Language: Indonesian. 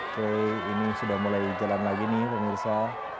oke ini sudah mulai jalan lagi nih pemirsa